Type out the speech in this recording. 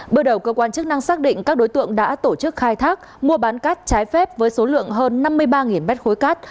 bước đầu cơ quan chức năng xác định các đối tượng đã tổ chức khai thác mua bán cát trái phép với số lượng hơn năm mươi ba mét khối cát